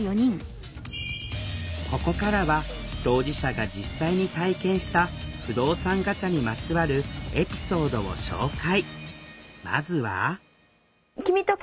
ここからは当事者が実際に体験した不動産ガチャにまつわるエピソードを紹介！